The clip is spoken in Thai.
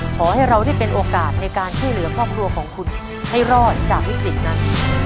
ขอให้เราได้เป็นโอกาสในการช่วยเหลือครอบครัวของคุณให้รอดจากวิกฤตนั้น